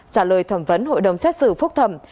trả lời thẩm vấn hội đồng xét xử phúc thẩm